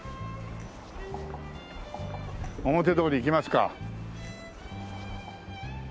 表通り行きますか。